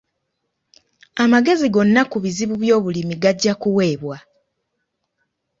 Amagezi gonna ku bizibu by'obulimi gajja kuweebwa.